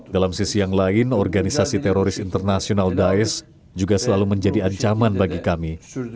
dalam sisi yang lain organisasi teroris international daes juga selalu menjadi ancaman bagi kami